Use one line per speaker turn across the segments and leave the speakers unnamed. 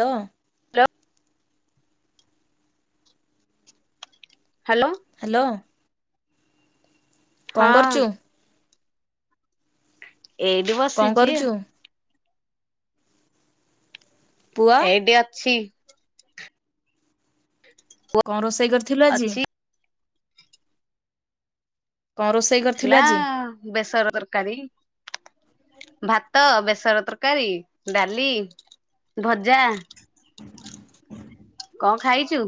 Hello.
[unintelligible] Hello.
Hello.
ହଁ
କଣ କରୁଛୁ?
ଏଇଠୁ
କଣ
ବସିଛି।
କରୁଛୁ ପୁଅ
ଏଇଠି ଅଛି।
କଣ ରୋଷେଇ କରିଥିଲୁ ଆଜି?
ଅଛି
କଣ ରୋଷେଇ କରିଥିଲୁ
ହେଲା
ଆଜି
ବେସର ତରକାରି। ଭାତ, ବେସନ ତରକାରୀ, ଡାଲି ଭଜା।
[inaudible]
କଣ ଖାଇଛୁ?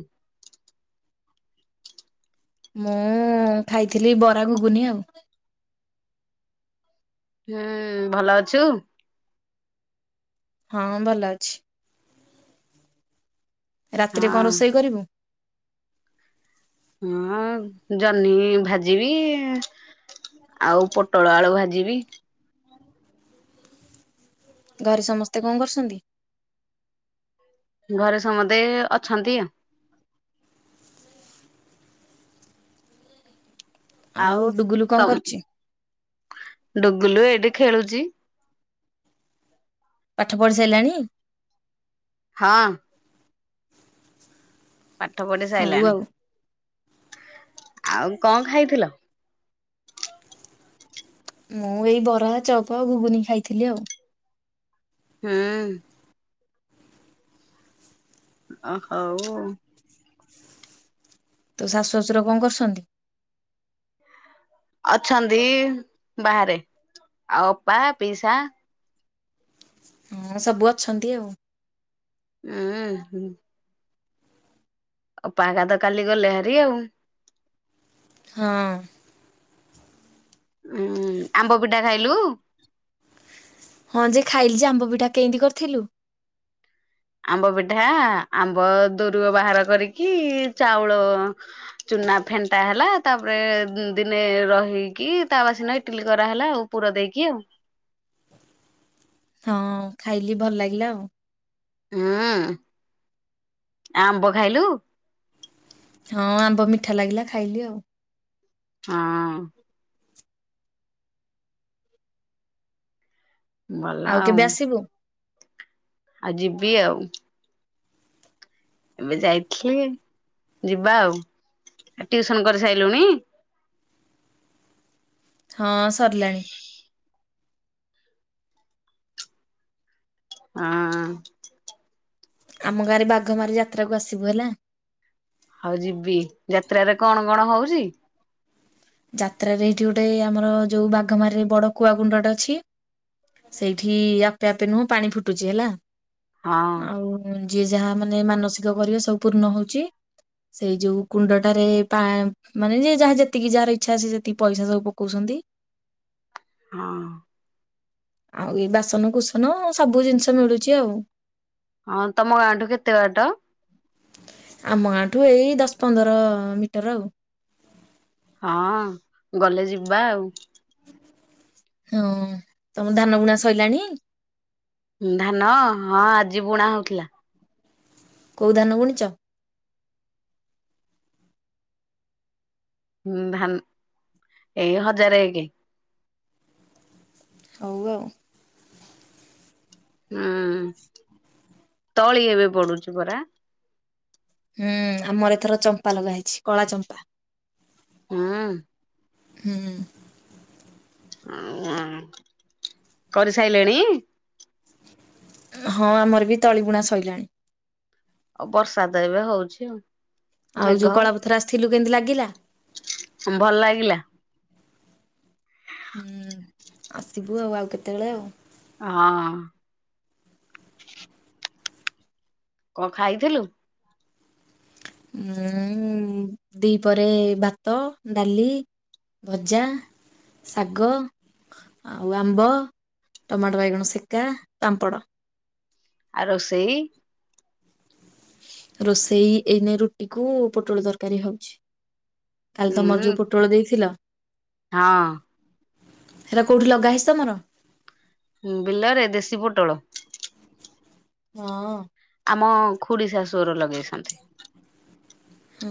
ମୁଁ ଖାଇଥିଲି ବରା ଘୁଗୁନି ଆଉ।
ହୁଁ ଭଲ ଅଛୁ?
ହଁ ଭଲ ଅଛି। ରାତିରେ କଣ
ହଁ
ରୋଷେଇ କରିବୁ?
ହଁ ଜହ୍ନି ଭାଜିବି ଆଉ ପୋଟଳ ଆଳୁ ଭାଜି ବି।
ଘରେ ସମସ୍ତେ କଣ କରୁଛନ୍ତି?
ଘରେ ସମସ୍ତେ ଅଛନ୍ତି।
ଆଉ ଡୁଗୁଲୁ କଣ କରୁଛି?
ଡୁଗଲୁ ଏଇଠି ଖେଳୁଛି।
ପାଠ ପଢି ସାରିଲାଣି?
ହଁ। ପାଠ ପଢି
ହଉ
ସାରିଲାଣି।
ଆଉ
ଆଉ କଣ ଖାଇଥିଲ?
ମୁଁ ଏଇ ବରା ଚଅପ ଘୁଗୁନି ଖାଇଥିଲି ଆଉ।
ହୁଁ। ଆହୋ ଓ।
ତୋ ଶାଶୁ ଶଶୁର କଣ କରୁଛନ୍ତି?
ଅଛନ୍ତି ବାହାରେ, ଆଉ ଅପା, ପିସା?
ହଁ ସବୁ ଅଛନ୍ତି ଆଉ।
ହଁ ହ। ଅପା ହେରିକା ତ କାଲି ଗଲେ ଭାରି ଆଉ।
ହଁ।
ଉୁଁ ଆମ୍ବ ପିଠା ଖାଇଲୁ?
ହଁ ଯେ ଖାଇଲି ଯେ ଆମ୍ବ ପିଠା କେମିତି କରିଥିଲୁ।
ଆମ୍ବ ପିଠା ଆମ୍ବ ଦୋରୁଅ ବାହାର କରିକି ଚାଉଳ ଚୁନା ଫ ଫେଣ୍ଟା ହେଲା ତାପରେ ଦିନେ ରହିକି ତା ବା ସିନା ଇଟିଲି କରାହେଲା ଆଉ ପୁର ଦେଇକି ଆଉ।
ହଁ ଖାଇଲି ଭଲ ଲାଗିଲା ଆଉ।
ହୁଁ ଆମ୍ବ ଖାଇଲୁ?
ହଁ ଆମ୍ବ ମିଠା ଲାଗିଲା ଖାଇଲି ଆଉ।
ହଁ। ଭଲ
କେବେ
ଆଉ।
ଆସିବୁ?
ଆଉ ଯିବି ଆଉ। ଏବେ ଯାଇଥିଲି ଯିବା ଆଉ ଟିଉସନ କରିସାରିଲୁଣି?
ହଁ ସରିଲାଣି।
ହଁ।
ଆମ ଗାଁରେ ବାଘମାରି ଯାତ୍ରାକୁ ଆସିବୁ ହେଲା।
ହଉ ଯିବି। ଯାତ୍ରାରେ କଣ କଣ ହଉଛି?
ଯାତ୍ରାରେ ଏଇଠି ଗୋଟେ ଆମର ଯୋଉ ବାଘମାରିରେ ବଡ କୁଆ କୁଣ୍ଡଟା ଅଛି। ସେଇଠି ଆପେ ଆପେ ନୁହଁ ପାଣି ଫୁଟୁଛି ହେଲା
ହଁ
ଆଉ ଯିଏ ଯାହା ମାନେ ମାନସିକ କରିବ ସବୁ ପୂର୍ଣ ହଉଛି। ସେଇ ଯୋଉ କୁଣ୍ଡଟାରେ ପା ମାନେ ଯେ ଯାହା ଯେତିକି ଯାହାର ଇ ଇଛା ଅଛି ଯେତିକି ପଇସା ସବୁ ପକଉଛନ୍ତି।
ହଁ।
ଆଉ ଏ ବାସନ କୁସନ ସବୁ ଜିନିଷ ମିଳୁଛି ଆଉ।
ହଁ ତମ ଗାଁଠୁ କେତେ ବାଟ?
ଆମ ଗାଁ ଠୁ ଏଇ ଦଶ ପନ୍ଦର ମିଟର ଆଉ।
ହଁ ଗଲେ ଯିବା ଆଉ।
ହଁ ତମ ଧାନ ବୁଣା ସଇଲାଣି?
ଧାନ ହଁ ଆଜି ବୁଣା ହଉଥିଲା।
କୋଉ ଧାନ ବୁଣିଛ?
ହୁଁ ଧାନ ଏଇ ହଜାରେ ଏକେ।
ହଉ ଆଉ।
ହୁଁ ତଳି ଏବେ ପଡୁଛି ପରା।
ହୁଁ ଆମର ଏଥର ଚମ୍ପା ଲଗା ହେଇଛି କଳା ଚମ୍ପା।
ହୁଁ।
ହୁଁ।
ଉଁ ଆଁ କରିସାଇଲେଣି?
ହଁ ଆମର ବି ତଳିବୁଣା ସଇଲାଣି।
ଆଉ ବର୍ଷା ଦ ଏବେ ହଉଛି ଆଉ।
ଆଉ ଯୋଉ
ମେଘ
କଳାପଥର ଆସିଥିଲୁ କେମିତି ଲାଗିଲା?
ଉଁ ଭଲ ଲାଗିଲା।
ହୁଁ ଆସିବୁ ଆଉ ଆଉ କେତେବେଳେ ଆଉ।
ହଁ। କଣ ଖାଇଥିଲୁ?
ଉଁ ଦିପହରେ ଭାତ ଡାଲି। ଭଜା ଶାଗ ଆଉ ଆମ୍ବ ଟମାଟୋ ବାଇଗଣ ସେକା ପାମ୍ପଡ।
ଆ ରୋଷଇ?
ରୋଷେଇ ଏଇନେ ରୁଟି କୁ ପୋଟଳ ତରକାରୀ ହଉଛି। କାଲି ତମର
ହୁଁ
ଯଉ ପୋଟଳ ଦେଇଥିଲ।
ହଁ
ହେରା କୋଉଠି ଲଗା ହେଇଚି ତମର?
ବିଲ ରେ ଦେଶୀ ପୋଟଳ।
ହଁ।
ଆମ ଖୁଡିଶାଶୁ ହର ଲଗେଇଛନ୍ତି।
ହୁଁ।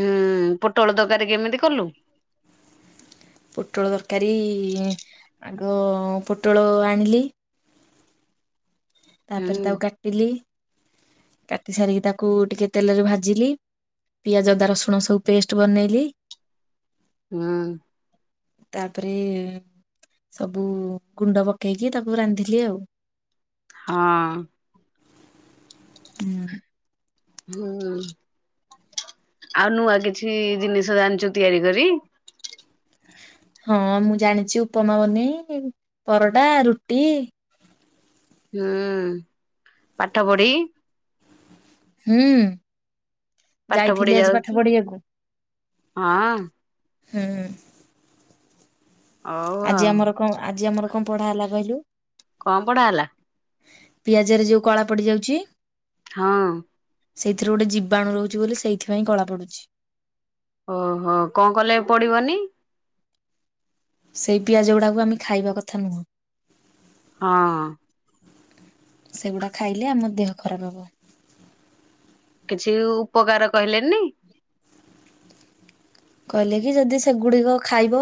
ହୁଁ ପୋଟଳ ତରକାରୀ କେମିତି କଲୁ?
ପୋଟଳ ତରକାରୀ ଉ ଆଗ ପୋଟଳ ଆଣିଲି।
ହୁଁ
ତାପରେ ତାକୁ କାଟିଲି କାଟି ସାରିକି ତାକୁ ଟିକେ ତେଲରେ ଭାଜିଲି। ପିଆଜ, ଅଦା, ରସୁଣ ସବୁ ପେଷ୍ଟ ବନେଇଲି।
ହୁଁ।
ତାପରେ ସବୁ ଗୁଣ୍ଡ ପକେଇକି ତାକୁ ରାନ୍ଧିଲି ଆଉ।
ହଁ।
ହୁଁ।
ହୁଁ। ଆଉ ନୂଆ କିଛି ଜିନିଷ ଜାଣିଚୁ ତିଆରି କରି।
ହଁ ମୁଁ ଜାଣିଛି ଉପମା ବନେଇ ପରଟା, ରୁଟି
ହୁଁ ପାଠ ପଢ଼ି
ହୁଁ,
ପାଠ ପଢି
ଯାଇଥିଲି ଆଜି ପାଠ
ଯାଉଛୁ
ପଢିବାକୁ।
ହଁ।
ହୁଁ।
ହଉ
ଆଜି
ଆଉ
ଆମର କଣ ଆଜି ଆମର କଣ ପଢା ହେଲା କହିଲୁ।
କଣ ପଢ଼ା ହେଲା?
ପିଆଜରେ ଯଉ କଳା ପଡିଯାଉଛି
ହଁ।
ସେଇଥିରୁ ଗୋଟେ ଜୀବାଣୁ ରହୁଛି ବୋଲି ସେଇଥିପାଇଁ କଳା ପଡୁଚି।
ଓହୋ କଣ କଲେ ପଡିବନି?
ସେଇ ପିଆଜ ଗୁଡାକୁ ଆମେ ଖାଇବା କଥା ନୁହଁ।
ହଁ।
ସେଗୁଡା ଖାଇଲେ ଆମ ଦେହ ଖରାପ ହବ।
କିଛି ଉପକାର କହିଲେନି।
କହିଲେ କି ଯଦି ସେଗୁଡିକ ଖାଇବ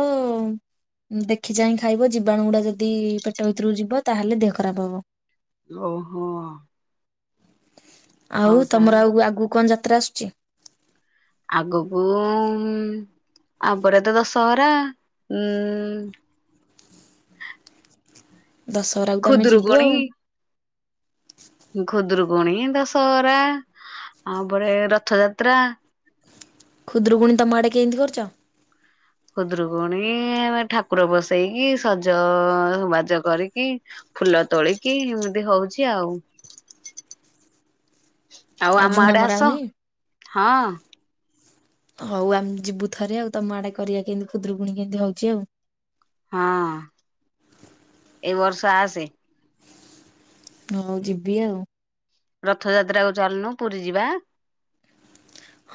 ଦେଖି ଚାହିଁ ଖାଇବ ଜୀବାଣୁ ଗୁଡା ଯଦି ପେଟ ଭିତରକୁ ଯିବ ତାହେଲେ ଦେହ ଖରାପ ହବ।
ଓହୋ।
ଆଉ
ହଉ ତା
ତମର ଆଉ ଆଗକୁ କଣ ଯାତ୍ରା ଆସୁଚି?
ଆଗକୁ ଉଁ ଆ ପରେ ତ ଦଶହରା ଉଁ
ଦଶହରାକୁ ତମେ ଯିବୁ
ଖୁଦୁରୁକୁଣୀ
ଆଉ।
ପୁଣି ଦଶହରା ଆ ପରେ ରଥଯାତ୍ରା
ଖୁଦ୍ରୁକୁଣୀ ତମ ଆଡ଼େ କେନ୍ତି କରୁଚ।
ଖୁଦରୁକୁଣୀ ଆମେ ଠାକୁର ବସେଇକି ସଜ ବାଜ କରିକି ଫୁଲ ତୋଳିକି ଏମିତି ହଉଚି ଆଉ। ଆଉ ଆମ
ଝୁଣା
ଆଡେ
ମରା
ଆସ
ହଉନି?
ହଁ।
ହଉ ଆମେ ଯିବୁ ଥରେ ଆଉ ତମ ଆଡେ କରିବା କେମତି ଖୁଦ୍ରୁକୁୁଣୀ କେମତି ହଉଛି ଆଉ।
ହଁ ଏଇ ବର୍ଷ ଆସେ।
ହଉ ଯିବି ଆଉ।
ରଥଯାତ୍ରା କୁ ଚାଲନୁ ପୁରୀ ଯିବା।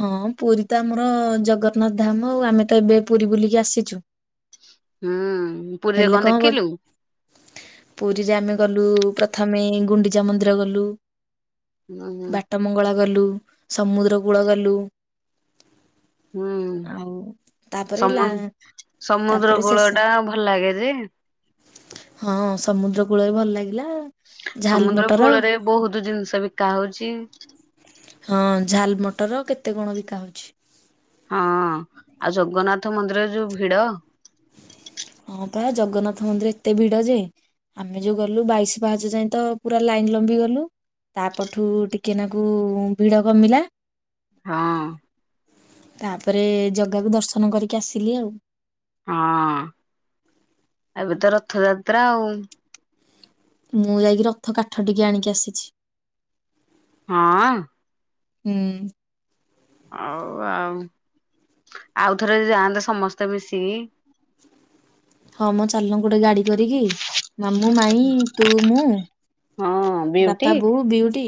ହଁ ପୁରୀ ତ ଆମର ଜଗନ୍ନାଥ ଧାମ ଆଉ ଆମେ ତ ଏବେ ପୁରୀ ବୁଲିକି ଆସିଚୁ।
ହୁଁ। ପୁରୀରେ
ହେଲେ କଣ ହବ
ଦେଖିଲୁ
ପୁରୀରେ ଆମେ ଗଲୁ ପ୍ରଥମେ ଗୁଣ୍ଡିଚା ମନ୍ଦିର ଗଲୁ,
ହୁଁ
ବାଟମଙ୍ଗଳା ଗଲୁ ସମୁଦ୍ର କୂଳ ଗଲୁ
ହୁଁ
ଆଉ ତାପରେ
ସମ
ଲା
ସମୁଦ୍ର
ତାପରେ
କୂଳ
ଶେଶେ
ଟା ଭଲ ଲାଗେ ଯେ
ହଁ ସମୁଦ୍ର କୂଳ ବି ଭଲ ଲାଗେ।
ସମୁଦ୍ର କୂଳରେ ବହୁତ ଜିନିଷ ବିକା ହଉଚି।
ହଁ ଝାଲ ମଟର କେତେ କଣ ବିକା ହଉଚି।
ହଁ ଆଉ ଜଗନ୍ନାଥ ମନ୍ଦିରରେ ଯୋଉ ଭିଡ
ହଁ ପା ଜଗନ୍ନାଥ ମନ୍ଦିରରେ ଏତେ ଭିଡ ଯେ ଆମେ ଯୋଉ ଗଲୁ ବାଇଶି ପାହାଚ ଯାଇଏ ତ ପୁରା ଲାଇନ ଲମ୍ବି ଗଲୁ ତାପଠୁ ଟିକେ ନାକୁ ଭିଡ କମିଲା।
ହଁ।
ତାପରେ ଜଗାକୁ ଦର୍ଶନ କରିକି ଆସିଲି ଆଉ।
ହଁ। ଏବେ ତ ରଥଯାତ୍ରା ଆଉ।
ମୁଁ ଯାଇକି ରଥ କାଠ ଟିକେ ଆଣିକି ଆସିଛି।
ହଁ।
ହୁଁ।
ହଉ ଆଉ। ଆଉଥରେ ଯାଆନ୍ତ ସମସ୍ତେ ମିଶିକି।
ହଁ ମଁ ଚାଲୁନ ଗୋଟେ ଗାଡି କରିକି ମାମୁଁ, ମାଇଁ ତୁ, ମୁଁ
ହଁ ବିଉଟି
ବାପା, ବୋଉ, ବିଉଟି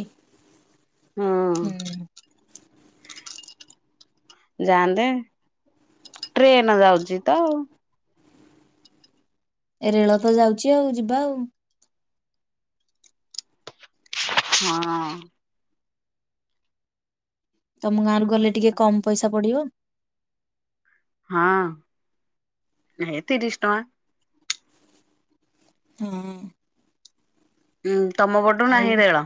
ହଁ
ହୁଁ।
ଯାଆନ୍ତେ ଟ୍ରେନ ଯାଉଚି ତ ଆଉ।
ଏ ରେଳ ତ ଯାଉଛି ଆଉ ଯିବା ଆଉ।
ହଁ।
ତମ ଗାଁରୁ ଗଲେ ଟିକେ କମ୍ ପଇସା ପଡ଼ିବ।
ହଁ ତିରିଶ ଟଙ୍କା।
ହଁ।
ଉଁ ତମ ପଟୁ
ଆଉ
ନାହିଁ ରେଳ।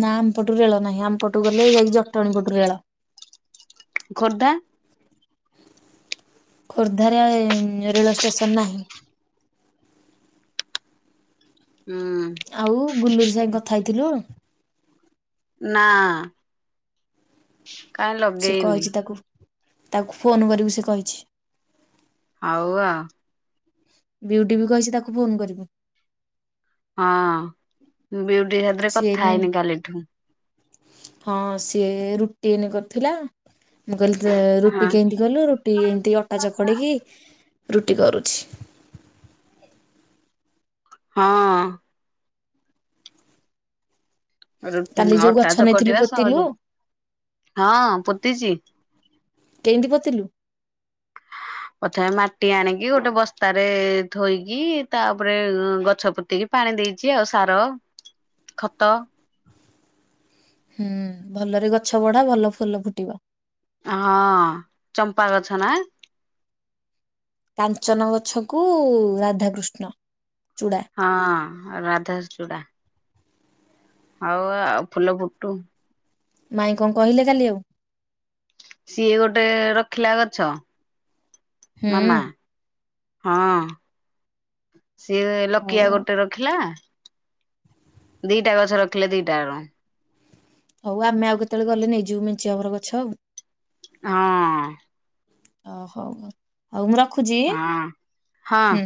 ନା ଆମପଟୁ ରେଳ ନାହିଁ ଆମ ପଟୁ ଗଲେ ଯାଇକି ଜଟଣୀ ପଟୁ ରେଳ।
ଖୋର୍ଦ୍ଧା।
ଖୋର୍ଦ୍ଧାରେ ଏ ରେଳ ଷ୍ଟେସନ ନାହିଁ।
ହୁଁ।
ଆଉ ଗୁଲୁରି ସାଙ୍ଗ କଥା ହେଇଥିଲୁ?
ନା କାଇଁ
ସେ
ଲଗେଇନି।
କହିଛି ତାକୁ ତାକୁ ଫୋନ୍ କରିବୁ ସେ କହିଛି।
ହଉ ଆଉ।
ବିୟୁଟି ବି କହିଛି ତାକୁ ଫୋନ କରିବୁ।
ହଁ ବିୟୁଟି ସାଥିରେ
ସିଏ
କଥା
ଏଇନେ
ହେଇନି କାଲିଠୁ।
ହଁ ସିଏ ରୁଟି ଏଇନେ କରିଥିଲା ମୁଁ କହିଲି ତେ
ହଁ
ରୁଟି କେମିତି କଲୁ ରୁଟି ଏମିତି ଅଟା ଚକ ଚକଟି କି ରୁଟି କରୁଛି।
ହଁ। ରୁଟି
କାଲି ଯୋଉ
ଅଟା
ଗଛ
ଚକଡ଼ିବା
ନେଇଥିଲୁ
କଟିବା
ପୋତିଲୁ
ସହଜ। ହଁ ପୋତିଚି।
କେମିତି ପୋତିଲୁ
[unintelligible] ପ୍ରଥମେ ମାଟି ଆଣିକି ଗୋଟେ ବସ୍ତାରେ ଧୋଇକି ତାପରେ ଏ ଗଛ ପୋତିକି ପାଣି ପାଣି ଦେଇଛି ଆଉ ସାର ଖତ
ହୁଁ ଭଲରେ ଗଛ ବଢ଼ା ଭଲ ଫୁଲ ଫୁଟିବ।
ହଁ ଚମ୍ପା ଗଛ ନା?
କାଞ୍ଚନ ଗଛକୁ ରାଧାକୃଷ୍ଣ। ଚୂଡା
ହଁ ରାଧାଚୁଡା। ହଉ ଆଉ ଫୁଲ ଫୁଟୁ।
ମାଇଁ କଣ କହିଲେ କାଲି ଆଉ?
ସିଏ ଗୋଟେ ରଖିଲା ଗଛ। ମାମା
ହୁଁ।
ହଁ ସିଏ
ହଉ
ଲକିଆ
ଆଉ
ଗୋଟେ ରଖିଲା। ଦିଇଟା ଗଛ ରଖିଲେ ଦିଇଟାରୁ।
ହଉ ଆମେ ଆଉ କେତଳେ ଗଲେ ନେଇଯିବୁ ମେଞ୍ଚେ ହେବର ଗଛ ଆଉ।
ହଁ।
ଓ ହଉ ହଉ ହଉ ମୁଁ ରଖ
ହଁ ହଁ।